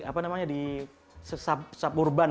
apa namanya di suburban